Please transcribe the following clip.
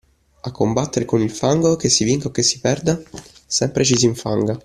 A combatter con il fango, che si vinca o che si perda, sempre ci si infanga.